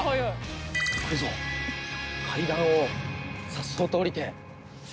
階段をさっそうと下りて。